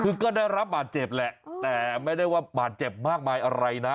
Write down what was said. คือก็ได้รับบาดเจ็บแหละแต่ไม่ได้ว่าบาดเจ็บมากมายอะไรนะ